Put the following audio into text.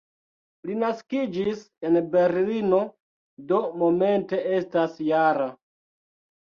Li naskiĝis en Berlino, do momente estas -jara.